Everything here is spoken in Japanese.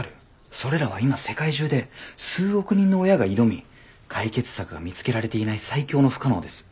それらは今世界中で数億人の親が挑み解決策が見つけられていない最強の不可能です。